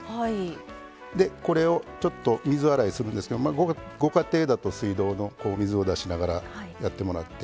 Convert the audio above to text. でこれをちょっと水洗いするんですけどご家庭だと水道の水を出しながらやってもらって。